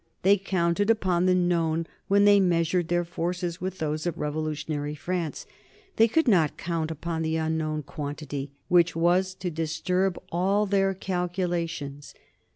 They counted upon the known when they measured their forces with those of revolutionary France; they could not count upon the unknown quantity which was to disturb all their calculations.